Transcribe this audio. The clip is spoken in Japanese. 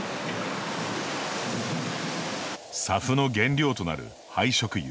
ＳＡＦの原料となる廃食油。